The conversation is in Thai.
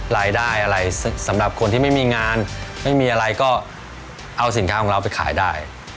รายได้อะไรสำหรับคนที่ไม่มีงานไม่มีอะไรก็เอาสินค้าของเราไปขายได้